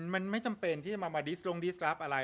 มันไม่จำเป็นที่จะมาดิสรับลงอะไร